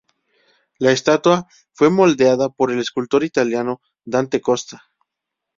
La estatua fue modelada por el escultor italiano Dante Costa.